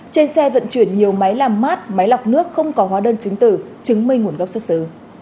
trên xe vận chuyển nhiều máy làm mát máy lọc nước không có hóa đơn chứng tử chứng minh nguồn gốc xuất xứ